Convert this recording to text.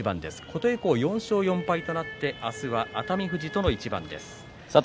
琴恵光は４勝４敗となって明日は熱海富士との一番です。